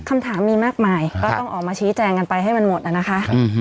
คำถามมีมากมายก็ต้องออกมาชี้แจงกันไปให้มันหมดนะคะ